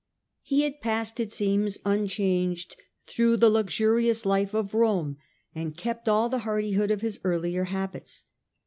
He had passed, it seems, unchanged through the luxurious life of Rome, and kept all the hardihood of his earlier habits.